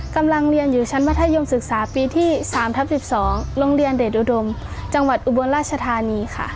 กำลังเรียนอยู่ชั้นมัธยมศึกษาปีที่๓ทับ๑๒โรงเรียนเดชอุดมจังหวัดอุบลราชธานีค่ะ